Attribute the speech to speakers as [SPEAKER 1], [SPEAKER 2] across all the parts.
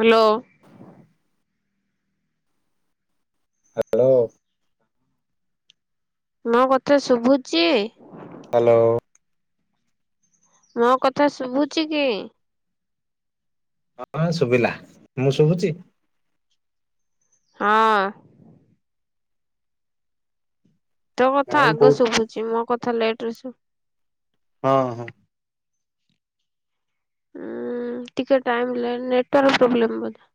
[SPEAKER 1] Hello.
[SPEAKER 2] Hello
[SPEAKER 1] ମୋ କଥା ଶୁଭୁଛି?
[SPEAKER 2] ହ୍ୟାଲୋ।
[SPEAKER 1] ମୋ କଥା ଶୁଭୁଛି କି?
[SPEAKER 2] ହଁ ଶୁଭିଲା, ମୁଁ ଶୁଭୁଛି?
[SPEAKER 1] ହଁ। ତୋ କଥା
[SPEAKER 2] ଆଉ
[SPEAKER 1] ଆଗ
[SPEAKER 2] କୋଉ
[SPEAKER 1] ଶୁଭୁଛି, ମୋ କଥା ଲେଟରେ ଶୁ
[SPEAKER 2] ହଁ, ହଁ।
[SPEAKER 1] ଉଁ ଟିକେ ଟାଇମ ନେଟୱାର୍କ ପ୍ରୋବ୍ଲେମ୍ ବୋଧେ।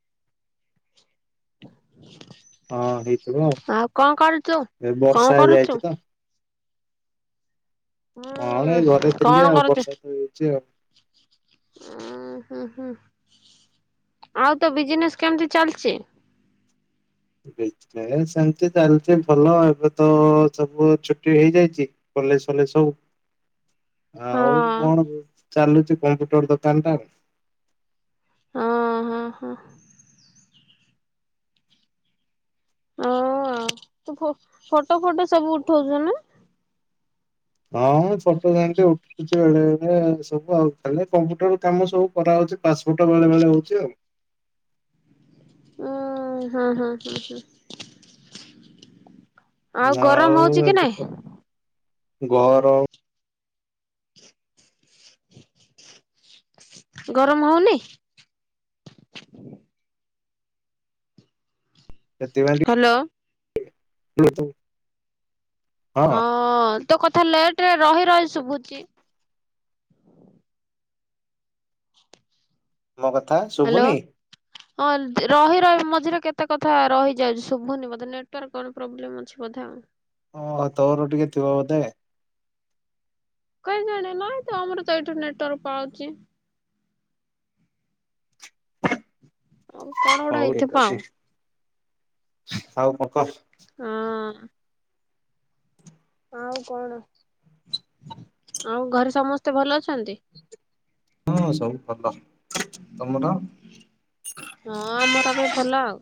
[SPEAKER 2] ହଁ ହେଇଥିବ
[SPEAKER 1] [inaudible] ଆଉ କଣ କରୁଛୁ?
[SPEAKER 2] ଏ ବର୍ଷା
[SPEAKER 1] କଣ
[SPEAKER 2] ହେଇଯାଇଛି
[SPEAKER 1] କରୁଛୁ?
[SPEAKER 2] ତ କଣ ଏଇ ଘରେ
[SPEAKER 1] ହୁଁ
[SPEAKER 2] ଥିଲି
[SPEAKER 1] କଣ
[SPEAKER 2] ଆଉ
[SPEAKER 1] କରୁଛ
[SPEAKER 2] ବର୍ଷା
[SPEAKER 1] କି?
[SPEAKER 2] ତ ହେଇଛି ଆଉ।
[SPEAKER 1] ଓ ହୁଁ, ହୁଁ। ଆଉ ତୋ ବିଜିନେସ୍ କେମିତି ଚାଲିଛି?
[SPEAKER 2] ବିଜିନେସ ସେମିତି ଚାଲିଛି ଭଲ ଏବେ ତ ସବୁ ଛୁଟି ହେଇଯାଇଛି। କଲେଜ ଫଲେଜ ସବୁ।
[SPEAKER 1] [inaudible]
[SPEAKER 2] ଆଉ କଣ ଚାଲୁଛି କମ୍ପ୍ୟୁଟର ଦୋକାନ ଟା?
[SPEAKER 1] ହଁ, ହଁ, ହଁ। ଆଉ ତୁ ଫଟୋ ଫୋଟୋ ସବୁ ଉଠଉଛୁ ନା?
[SPEAKER 2] ହଁ ମୁ ଫଟୋ ସେମିତି ଉଠଉଛି ବେଳେ ବେଳେ ସବୁ ଆଉ ଖାଲି କମ୍ପୁଟର କାମ ସବୁ କରାହଉଛି ପାସ୍ ଫୋଟ ବେଳେ ବେଳେ ହଉଛି ଆଉ।
[SPEAKER 1] ଓ ହଁ, ହଁ। ଗରମ
[SPEAKER 2] ଆଉ
[SPEAKER 1] ହଉଛି କି
[SPEAKER 2] ଏବେ
[SPEAKER 1] ନାଇଁ
[SPEAKER 2] ତ ଗରମ
[SPEAKER 1] ଗରମ ହଉନି? ହ୍ୟାଲୋ
[SPEAKER 2] [unintelligible]
[SPEAKER 1] ହଁ ତୋ କଥା ଲେଟ ରେ ରହି ରହି ଶୁଭୁଛି।
[SPEAKER 2] ମୋ କଥା
[SPEAKER 1] ହ୍ୟାଲୋ।
[SPEAKER 2] ଶୁଭୁନି।
[SPEAKER 1] ହଁ ରହି ରହି ମଝିରେ କେତେ କଥା ରହିଯାଉଛି ଶୁଭୁନି ମତେ ନେଟୱାର୍କ କଣ ପ୍ରୋବ୍ଲେମ ଅ କିଛି କଥା ଆଉ।
[SPEAKER 2] ଓହୋ ଆଉ ତୋର ଟିକେ ଥିବ ବୋଧେ।
[SPEAKER 1] କାଇହିଁକଣ ନାଇଁ ତ ଆମର ତ ଏଇଠୁ ନେଟୱାର୍କ ପାଉଛି। ଆଉ। କଣ ଗୋଟେ
[SPEAKER 2] ହଉ
[SPEAKER 1] ହେଇଥିବ
[SPEAKER 2] ଠିକ
[SPEAKER 1] ଆଉ
[SPEAKER 2] ଅଛି ଆଉ କଣ କହ।
[SPEAKER 1] ହଁ। ଆଉ କଣ ଆଉ ଘରେ ସମସ୍ତେ ଭଲ ଅଛନ୍ତି।
[SPEAKER 2] ହଁ ସବୁ ଭଲ ତମର।
[SPEAKER 1] ହଁ ଆମର ଏବେ ଭଲ ଆଉ।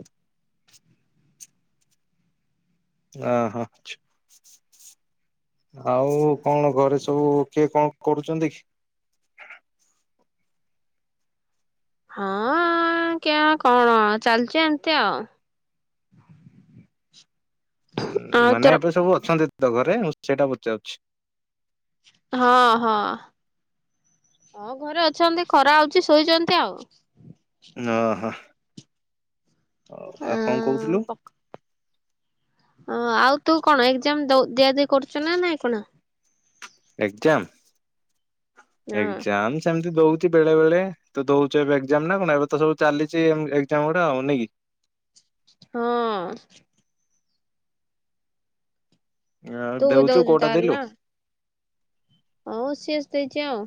[SPEAKER 2] ଅ ହଁ ଛୁ। ଆଉ କଣ ଘରେ ସବୁ କିଏ କଣ କରୁଚନ୍ତି?
[SPEAKER 1] ହଁ କିଏ କଣ ଚାଲିଚି ଏମିତି ଆଉ। ଆଉ
[SPEAKER 2] ମାନେ
[SPEAKER 1] ତୋର
[SPEAKER 2] ଏବେ ସବୁ ଅଛନ୍ତି ତ ଘରେ ମୁଁ ସେଇଟା ପଚାରୁଚି?
[SPEAKER 1] ହଁ ହଁ। ହଁ ଘରେ ଅଛନ୍ତି ଖରା ହଉଚି ଶୋଇଚନ୍ତି ଆଉ।
[SPEAKER 2] ହଁ ହଁ ଆଉ କଣ କୋଉଥୁଲୁ?
[SPEAKER 1] ଓ ଆଉ ତୁ କଣ ଏକ୍ଜାମ ଦଉ ଦିଆ ଦୁଇ କରୁଚୁ ନା ନାଇଁ କଣ?
[SPEAKER 2] ଏଗ୍ ଜାମ୍
[SPEAKER 1] ହଁ
[SPEAKER 2] ଏଗ୍ ଜାମ୍ ସେମିତି ଦଉ ଚି ବେଳେ ବେଳେ ତ ଦଉଚୁ ଏବେ ଏଗ୍ ଜାମ୍ ନା କଣ ଏବେ ତ ସବୁ ଚାଲିଚି ଏମ୍ ଏଗଜାମ୍ ଗୁଡା ଆଉ ନେଇକି?
[SPEAKER 1] ହଁ।
[SPEAKER 2] ଆଉ
[SPEAKER 1] ତୁ ବି
[SPEAKER 2] ଦଉଚୁ
[SPEAKER 1] ଦଉଛୁ
[SPEAKER 2] କୋଉଟା ଦେଲୁ?
[SPEAKER 1] ଆଉ ସି ଏସ୍ ଦେଇଚି ଆଉ।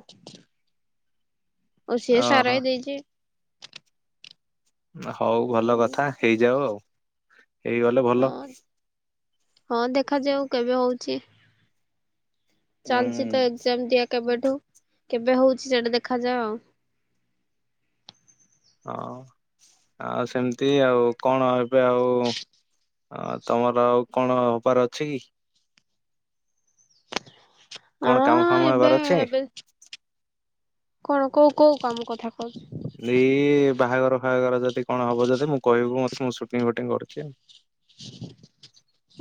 [SPEAKER 1] ଆଉ ସି ଏସ୍ ଆର୍
[SPEAKER 2] ଓହୋ।
[SPEAKER 1] ଆଇ ଦେଇଚି।
[SPEAKER 2] ହଉ ଭଲ
[SPEAKER 1] ଉଁ
[SPEAKER 2] କଥା ହେଇଯାଉ ଆଉ ହେଇଗଲେ ଭଲ।
[SPEAKER 1] ହଁ। ହଁ ଦେଖାଯାଉ କେବେ ହଉଚି?
[SPEAKER 2] ହୁଁ
[SPEAKER 1] ଚାଲିଚି ତ ଏଗଜାମ୍ ଦିଆ କେବେଠୁ କେବେ ହଉଚି ସେଟା ଦେଖାଯାଏ ଆଉ।
[SPEAKER 2] ହଁ ଆଉ ସେମିତି ଆଉ କଣ ଏବେ ଆଉ ଆ ତମର ଆଉ କଣ ହବାର ଅଛି କି? କଣ କାମ
[SPEAKER 1] ହଁ
[SPEAKER 2] ଫାମ
[SPEAKER 1] ଏବେ
[SPEAKER 2] ହେବାର ଅଛି?
[SPEAKER 1] ଏବେ କଣ କୋଉ କୋଉ କାମ କଥା କୋଉ
[SPEAKER 2] ଏଇ ବାହାଘର ଫାହାଘର ଯଦି କଣ ହବ ଯଦି ମୁଁ କହିବୁ ମତେ ମୁଁ ସୁଟିଂ ଫୁଟିଂ କରୁଚି ଆଉ।
[SPEAKER 1] [inaudible]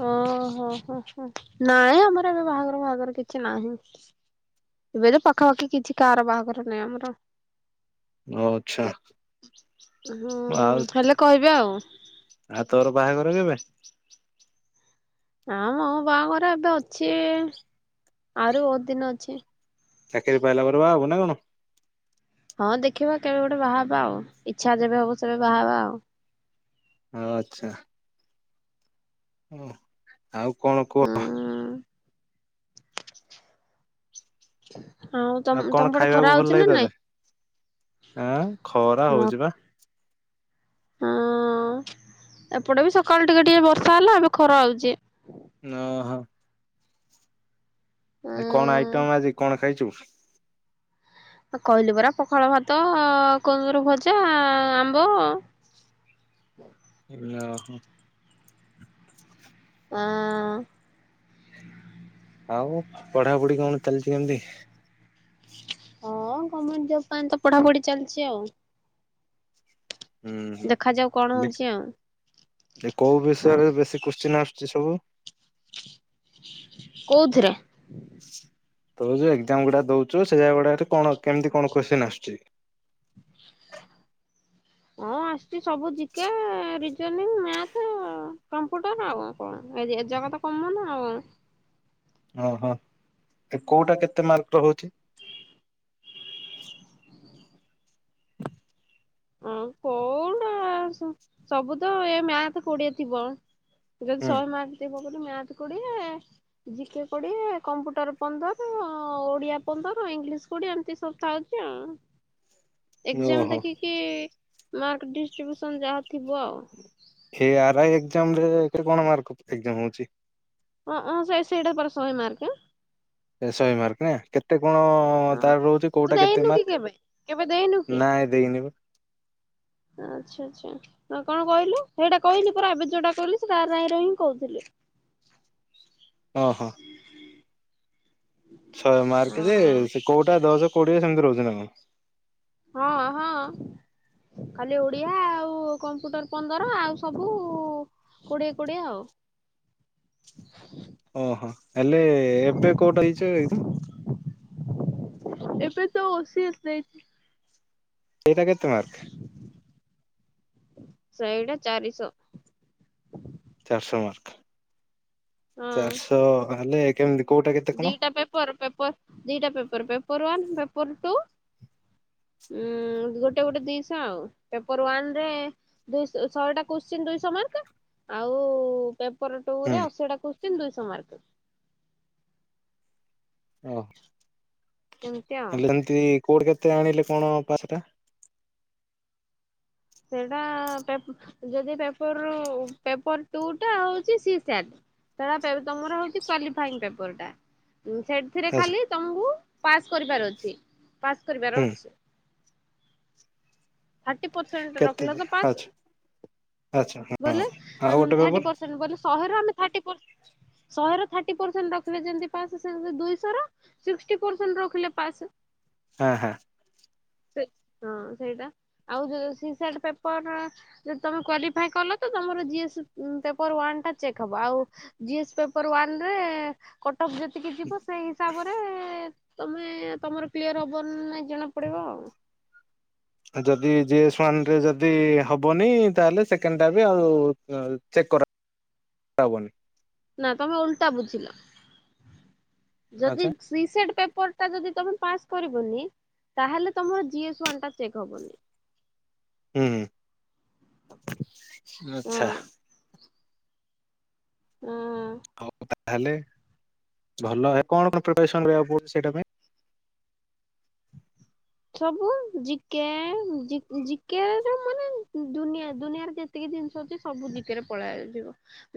[SPEAKER 1] ଓହୋ ହୋ ହୋ ନାଇଁ ଆମର ଏବେ ବାହାଘର ପାହାଘର କିଛି ନାହିଁ। ଏବେ ତ ପାଖାପାଖି କିଛି କାଆର ବାହାଘର ନାହିଁ ଆମର।
[SPEAKER 2] ଓ ଆଚ୍ଛା।
[SPEAKER 1] ହେ ହୁଁ
[SPEAKER 2] ଆଉ
[SPEAKER 1] ହେଲେ କହିବି ଆଉ।
[SPEAKER 2] ଆଉ ତୋର ବାହାଘର କେବେ?
[SPEAKER 1] ନା ମୋ ବାହାଘର ଏବେ ଅଛି ଆଉରି ବହୁତ ଦିନ ଅଛି।
[SPEAKER 2] ଚାକିରି ପାଇଲା ପରେ ବା ହବୁ ନା କଣ?
[SPEAKER 1] ହଁ ଦେଖିବା କେବେ ଗୋଟେ ବାହା ହେବା ଆଉ ଇଚ୍ଛା ଯେବେ ହବ ସେବେ ବାହା ହେବା ଆଉ।
[SPEAKER 2] ଆଉ ଆଚ୍ଛା। ଓ ଆଉ କଣ କୁହ?
[SPEAKER 1] ହୁଁ ତମ
[SPEAKER 2] ଆଉ
[SPEAKER 1] ତମ
[SPEAKER 2] କଣ
[SPEAKER 1] ପଟେ ଖରା
[SPEAKER 2] ଖାଇବାକୁ ଭଲ
[SPEAKER 1] ହଉଛି ନା
[SPEAKER 2] ଲାଗେ
[SPEAKER 1] ନାଇଁ?
[SPEAKER 2] ତତେ? ଆଁ ଖରା
[SPEAKER 1] ମ
[SPEAKER 2] ହଉଚି ପା।
[SPEAKER 1] ହଁ ଏପଟେ ବି ସକାଳୁ ଟିକେ ଟିକେ ବର୍ଷା ହେଲା ଏବେ ଖରା ହଉଚି।
[SPEAKER 2] ଓହୋ। ଆଜି କଣ ଆଇଟମ
[SPEAKER 1] ଉଁ
[SPEAKER 2] ଆଜି କଣ ଖାଇଚୁ?
[SPEAKER 1] କହିଲି ପରା ପଖାଳ ଭାତ କୁନ୍ଦୁରୁ ଭଜା ଆମ୍ବ।
[SPEAKER 2] ଓହୋ।
[SPEAKER 1] ଆଁ
[SPEAKER 2] ଆଉ ପଢାପୁଢି କଣ ଚାଲିଚି କେମିତି?
[SPEAKER 1] ହଁ ଗମେଣ୍ଟ ଜବ୍ ପାଇଁ ତ ପଢାପୁଢି ଚାଲିଚି ଆଉ।
[SPEAKER 2] ହୁଁ ହୁଁ।
[SPEAKER 1] ଦେଖାଯାଉ କଣ ହଉଚି ଆଉ?
[SPEAKER 2] ଏ କୋଉ ବିଷୟରେ ବେଶୀ କୁଶ୍ଚିନ୍ ଆସୁଚି ସବୁ?
[SPEAKER 1] କୋଉଥିରେ?
[SPEAKER 2] ତୁ ଯୋଉ ଏଗଜାମ୍ ଗୁଡା ଦଉଚୁ ସେଇଆ ଗୁଡାରେ କଣ କେମିତି କଣ କୋଶ୍ଚିନ୍ ଆସୁଚି?
[SPEAKER 1] ହଁ ଆସୁଚି ସବୁ ଜିକେ ରିଜୋନିଂ ମ୍ୟାଥ୍ କମ୍ପ୍ୟୁଟର ଆଉ। କଣ ଏ ଏଜାଗା ତ କମନ ଆଉ।
[SPEAKER 2] ଓହୋ ଏ କୋଉଟା କେତେ ମାର୍କର ହଉଚି? [inaudible]
[SPEAKER 1] ହଁ କୋଉଟା ସବୁ ତ ଏ ମ୍ୟାଥ କୋଡିଏ ଥିବ। ଯଦି ସୟ
[SPEAKER 2] ହୁଁ
[SPEAKER 1] ମାର୍କ ଥିବ ମ୍ୟାଥ କୋଡିଏ। ଜିକେ କୋଡିଏ କମ୍ପୁଟର ପନ୍ଦର ଓଡିଆ ପନ୍ଦର ଇଂଲିଶ କୋଡିଏ ଏମିତି ସବୁ। ଥୀଉଚି ଆଉ। ଏଜାମ
[SPEAKER 2] ଓହୋ
[SPEAKER 1] ଦେଖିକି ମାର୍କ ଡିଷ୍ଟ୍ରିବ୍ୟୁସନ ଯାହା ଥିବ ଆଉ।
[SPEAKER 2] ହେ ଆର୍ ଆଇ ଏାକ୍ଜମରେ ହେଥିରେ କଣ ମାର୍କ ଏକ୍କଯା। ମା ହଉଛି।
[SPEAKER 1] ଅଁ ହଁ ସେ ସେଇଟା ପରେ ଶେ ମାର୍କ।
[SPEAKER 2] ଏ ଶହେ ମାର୍କ ନା କେତେ କଣ? ହଁ ତାର ରହୁଛି
[SPEAKER 1] ତୁ
[SPEAKER 2] କୋଉଟା କେତେ
[SPEAKER 1] ଦେଇନୁ କି କେବେ କେବେ ଦେଇନୁ
[SPEAKER 2] ମାର୍କ ନାଇଁ ଦେଇନ ବା।
[SPEAKER 1] ଆଛା ଆଛା। କଣ କହିଲୁ ହେଇଟା କହିଲି ପରା ଆବେର୍ଯ୍ୟଟା କିଲି ସେଟା ରାହିଁ ର ହିଁ କହୁଥିଲୁ।
[SPEAKER 2] ହଁ ହଁ। ଶହେ ମାର୍କ ରେ
[SPEAKER 1] ହଁ
[SPEAKER 2] କୋଉଟା ଦଶ କୋଉଡିି ସେମିତି ରହୁଛି ନା କଣ।
[SPEAKER 1] ହଁ ହଁ ଖଲି ଓଡିଆ ଆଉ କମ୍ପ୍ୟୁଟର ପନ୍ଦର ଆଉ ସବୁ କୋଡିଏ କୋଡିଏ ଆଉ।
[SPEAKER 2] ଓହୋ ହେଲେ ଏବେ କୋଉଟା ହେଇଛ ଏ।
[SPEAKER 1] ଏବେ ଟା ଓସିଏସ ଦେଇଚି।
[SPEAKER 2] ଏଇଟା କେତେ ମାର୍କ।
[SPEAKER 1] ଶଇଟା ଚାରିଶ।
[SPEAKER 2] ଚାରିଶହ ମାର୍କ
[SPEAKER 1] ହଁ
[SPEAKER 2] ଚାରିଶହ ହେଲେ କେମିତି। କୋଉଟା କେତେ କଣ?
[SPEAKER 1] ଦିଟା ପେପର ପେପର ଦିଟା paper paper one paper two. ଉଁ ଗୋଟେ ଗୋଟେ ଦିଶ ଆଉ ପେପର ୱାନ ରେ ଦୁଇ ଶହେଟା କୋଶ୍ଚିନ୍ ଦୁଇଶହ ମାର୍କ ଆଉ ପେପର ଟୁ
[SPEAKER 2] ହୁଁ
[SPEAKER 1] ରେ ଅଶିଟା କୋଶଚୀନ ଦୁଇଶହ ମାର୍କ।
[SPEAKER 2] ଓ
[SPEAKER 1] ଏମିତି ଆଉ।
[SPEAKER 2] ହେଲେ ଏମିତି କୋଉଠି କେତେ ଆଣିଲେ କଣ ପାସ ଟା?
[SPEAKER 1] ସେଇଟା ଯଦି ପେପର ପେପର ଟୁ ଟା ହଉଛି ସି ସି ଆ ର। ଟ ତମର ହଉଛି କ୍ୱାଲିଫାଇନ୍ ପେପର ଟା ସେ ଏଥିରେ
[SPEAKER 2] ଆଚ୍ଛା
[SPEAKER 1] ଖାଲି ତମକୁ ପାସ୍ କରିବାର ଅଛି ପାସ୍ କରିବାର
[SPEAKER 2] ହୁଁ
[SPEAKER 1] ଅଛି। ଥାର୍ଟି ପରସେଣ୍ଟ
[SPEAKER 2] କେତେ
[SPEAKER 1] ରଖିଲ ତ ପାସ।
[SPEAKER 2] ଆଚ୍ଛା ଆଚ୍ଛା ହଁ
[SPEAKER 1] ବୋଲେ
[SPEAKER 2] ଆଉ ଗୋଟେ
[SPEAKER 1] ଥାର୍ଟି
[SPEAKER 2] ପେପର୍
[SPEAKER 1] ପରସେଣ୍ଟ ବୋଲେ ଶହେ ରୁ ଆମେ ଥିଟୀ ପର୍ସେଣ୍ଟ ଶହେ ର ଥାର୍ଟି ପରସେଣ୍ଟ ରଖିବେ ଯେମିତି ପା ସେମିତି ଦୁଇଶହ ର ସିକ୍ସଟି ପରସଣ୍ଟ ରଖିଲେ ପାସ।
[SPEAKER 2] ହଁ ହଁ।
[SPEAKER 1] ହଁ ସେଇଟା ଆଉ ଯୋଉ ସି ସାଟ ପେପର ଯଦି ତମେ କ୍ୱାଲିଫାଇ କଲ ତ ତମର ଜିଏସ ପେପର ଟା ଚେକ୍ ହବ ଆଉ ଜିସ୍ ପେପର ୱାନ ରେ କଟଫ୍ ଯେତିକି ଯିବ ସେଇ ତାପରେ ତମେ ତମର କ୍ଳିୟର ହବ ନାଇଁ ଜଣା ପଡ଼ିବ ଆଉ।
[SPEAKER 2] ଯଦି ଜିଏସ୍ ୱାନ ରେ ଯଦି ହବନି ତାହେଲେ ସେକେଣ୍ଡ ଟା ବି ଆଉ ଚେକ୍ କର। ତାହବନି।
[SPEAKER 1] ନା ତମେ ଉଲଟା ବୁଝିଲ
[SPEAKER 2] ଆଚ୍ଛା
[SPEAKER 1] ଯଦି ସି ସେଡ୍ ପେପର ଟା ଯଦି ତମେ ପାସ୍ କରିବନି ତାହେଲେ ତମର ଜିଏସ୍ ୱାନ୍ ଟା ଚେକ୍ ହବନି।
[SPEAKER 2] ହୁଁ ହୁଁ
[SPEAKER 1] ହଁ
[SPEAKER 2] ଆଛା।
[SPEAKER 1] ହଁ।
[SPEAKER 2] ହଉ ତାହେଲେ ଭଲ, କଣ କଣ ପ୍ରିପସନ କରିବାକୁ ପଡୁଛି ସେଇଟା ପାଇଁ?
[SPEAKER 1] ସବୁ ଜିକେ ଜି ଜିକେ ରେ ମାନେ ଦୁନିଆ ଦୁନିଆରେ ଯେ ତିକି ଜିନିଷ ଅଛି ସବୁ ଜିକେ ରେ ପଳେଆଯିବ।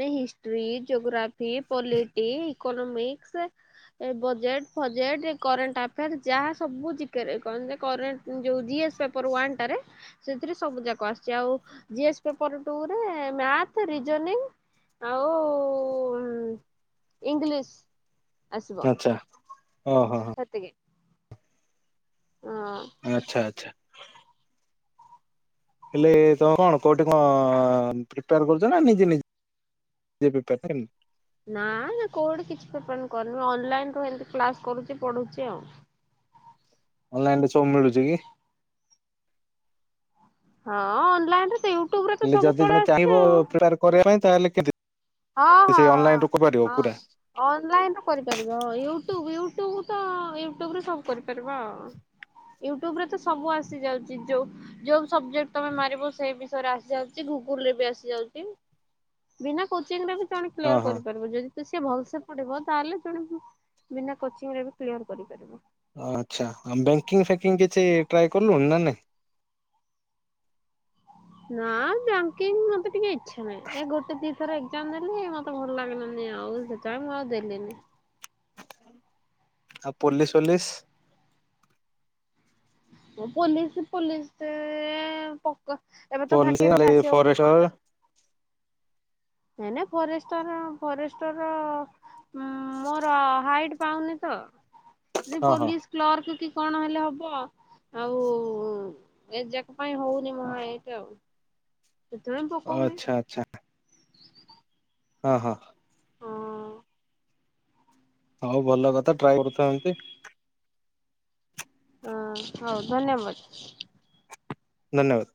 [SPEAKER 1] ଏଇ ହିଷ୍ଟ୍ରି ଯୋଗ୍ରାଫି ପଲିଟିିକ ଇକୋନୋମିକ୍ସ। ଏ ବଜେଟ୍ ଫଜେଟ୍ ଏ କରେଣ୍ଟ ଆଫେୟାର୍ ଯାହା ସବୁ ଜିକେ ରେ କଣ କରେଣ୍ଟ ଯୋଉ ଜିଏସ୍ ପେପର ୱନ ଟା ରେ ସେଥିରେ ସବୁ ଯାକ ଆସିଛି, ଆଉ ଜି ଏସ ପେପର ଟୁ ରେ ମ୍ୟାଥ ରିଜନିଂ ଆଉ ଇଂଲିଶ ଆସ
[SPEAKER 2] ଚା ହ ହଁ ହଁ।
[SPEAKER 1] ସେତିକି। ହଁ।
[SPEAKER 2] ଆଚ୍ଛା ଆଚ୍ଛା। ହେଲେ ତମେ କଣ କୋଉଠି କଣ ପ୍ରିପେୟାର କରୁଛ ନା ନିଜେ ନିଜେ। ନିଜେ ପ୍ରିପର୍ କରନି।
[SPEAKER 1] ନା ନା କୋଉଠି କିଛି ପ୍ରିପାନ କରିନି ଅନଲାଇନ ରୁଏମତି କ୍ଲାସ କରୁଛି ପଢୁଛି ଆଉ।
[SPEAKER 2] ଅନଲାଇନ ରେ ସବୁ ମିଳୁଛି କି?
[SPEAKER 1] ହଁ ଅନଲାଇନ ରେ ସେଉ
[SPEAKER 2] ହେଲେ ଯଦି ଜଣେ ଚାହିଁବ ପ୍ରିପାର କରିବା ପାଇଁ ତାହେଲେ କେ
[SPEAKER 1] ହଁ ହଁ
[SPEAKER 2] ସେଇ ଅନଲାଇନ ରୁ
[SPEAKER 1] ହଁ
[SPEAKER 2] କରିପାରିବ
[SPEAKER 1] ହଁ।
[SPEAKER 2] ପୁରା
[SPEAKER 1] ଅନଲାଇନରେ କରିପାରିବ ୟୁଟ୍ୟୁବ ୟୁଟୁବ ତ ୟୁଟ୍ୟୁବରେ ସବୁ କରିପାରିବା ଆଉ। ୟୁଟ୍ୟୁବ ରେ ତ ସବୁ ଆସି ଯାଉଛି ଯୋଉ ଯୋଉ ସବଜେକ୍ଟ ତମେ ମାରିବ ସେଇ ବିଷୟରେ ଆସି ଯାଉଛି ଗୁଗୁଲରେ ବି ଆସିଯାଉଛି। ବିନା କୋଚିଂରେ ବି ସେମାନେ
[SPEAKER 2] ହଁ
[SPEAKER 1] କ୍ଲିୟର
[SPEAKER 2] ହଁ
[SPEAKER 1] କରିପାରିବ, ଯଦି ଯଦି ସିଏ ଭଲସେ ପଢିବ ତାହେଲେ ସିଏ ବିନା କୋଚିଂରେ ବି କ୍ଲିୟର କରିପାରିବ।
[SPEAKER 2] ଆଚ୍ଛା ଆ ବ୍ୟାଙ୍କିଙ୍ଗ ଫ୍ୟାଙ୍କିଙ୍ଗ କିଛି ଟ୍ରାଏ କଲୁନି ନା ନାଇଁ।
[SPEAKER 1] ନା ବ୍ୟାଙ୍କିଙ୍ଗ୍ ମତେ ଟିକେ ଇଚ୍ଛା ନାହିଁ, ଏ ଗୋଟେ ଦି ଥର ଏକ୍ଜାମ ଦେଲି ମତେ ଭଲ ଲାଗିଲାନି ଆଉ ସେପାଇଁ ମୁଁ ଆଉ ଦେଲିନି।
[SPEAKER 2] ଆଉ ପୋଲିସ୍ ଫୋଲିସ।
[SPEAKER 1] ଓ ପୋଲିସ ପୋଲିସ ରେ ପକ ଏବେ ତ
[SPEAKER 2] ପୋଲିସ
[SPEAKER 1] ଭାକେନ୍ସି
[SPEAKER 2] ରେ
[SPEAKER 1] ଆସିବ ବୋଲି
[SPEAKER 2] ଫରେଷ୍ଟର।
[SPEAKER 1] କହିଛନ୍ତି। ନାଇଁ ନା ଫରେଷ୍ଟର ଫରେଷ୍ଟ ର ଉଁ ମୋର ହାଇଟ ପାଉନି ତ ଯି
[SPEAKER 2] ହଁ ହଁ
[SPEAKER 1] ପୋଲିସ କ୍ଲର୍କ କି କଣ ହେଲେ ହବ। ଆଉ ଏଯାକ ପାଇଁ ହଉନି ମୋ ହାଇଟ ଆଉ। ସେଥିପାଇଁ ପକଉନି।
[SPEAKER 2] ଆଚ୍ଛା ଆଚ୍ଛା। ହଁ ହଁ।
[SPEAKER 1] ହଁ
[SPEAKER 2] ହଉ ଭଲ କଥା ଟ୍ରାଏ କରୁଥା ଏମତି।
[SPEAKER 1] ହଁ ହଉ ଧନ୍ୟବାଦ।
[SPEAKER 2] ଧନ୍ୟବାଦ।